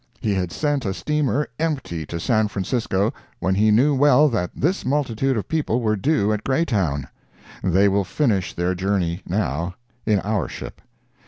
He had sent a steamer empty to San Francisco, when he knew well that this multitude of people were due at Greytown. They will finish their journey, now, in our ship.